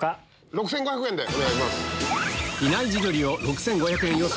６５００円でお願いします。